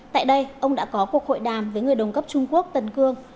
tại đây ông đã có cuộc hội đàm với người đồng cấp trung quốc tần cương